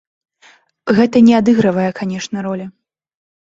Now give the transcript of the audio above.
Гэта не адыгрывае, канешне, ролі.